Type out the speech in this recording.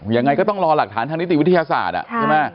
ยังไงก็ต้องรอหลักฐานทางนิติวิทยาศาสตร์ใช่ไหม